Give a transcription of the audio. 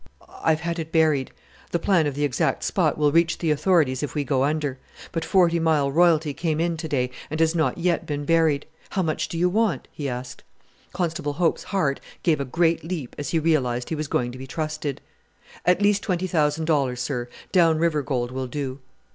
"I've had it buried. The plan of the exact spot will reach the authorities if we go under. But Forty Mile royalty came in to day and has not yet been buried. How much do you want?" he asked. Constable Hope's heart gave a great leap as he realized he was going to be trusted. "At least twenty thousand dollars, sir. Down River gold will do."